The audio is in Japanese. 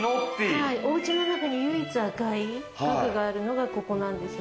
お家の中に唯一赤い家具があるのがここですね。